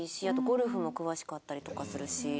あとゴルフも詳しかったりとかするし。